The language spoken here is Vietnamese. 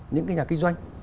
những cái nhà kinh doanh